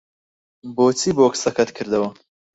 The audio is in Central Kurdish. بۆچی بۆکسەکەت کردەوە؟